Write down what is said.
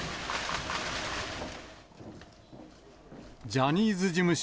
ジャニーズ事務所